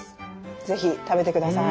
ぜひ食べてください。